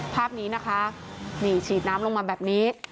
ภาพนี้นะคะนี่ฉีดน้ำลงมาแบบนี้